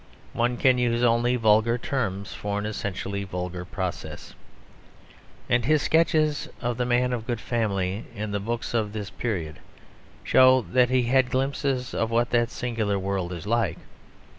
(One can use only vulgar terms for an essentially vulgar process.) And his sketches of the man of good family in the books of this period show that he had had glimpses of what that singular world is like.